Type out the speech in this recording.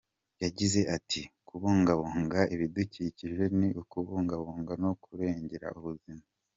Yagize ati,"Kubungabunga ibidukikije ni ukubungabunga no kurengera ubuzima.